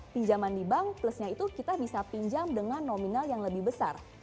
pinjaman di bank plusnya itu kita bisa pinjam dengan nominal yang lebih besar